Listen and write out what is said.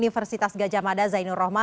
betul mbak caca